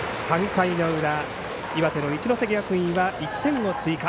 ３回の裏、岩手の一関学院は１点を追加。